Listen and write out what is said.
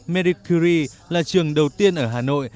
merit curie là trường đầu tiên ở hà nội